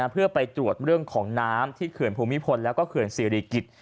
เพื่อไปตรวจเรื่องของน้ำที่เขื่อนภูมิพลแล้วก็เขื่อนศิริกิจ